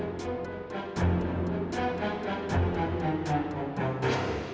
but you guysoro tunggu nak minimize the interruption di sini